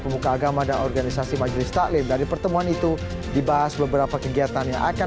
pemuka agama dan organisasi majelis taklim dari pertemuan itu dibahas beberapa kegiatan yang akan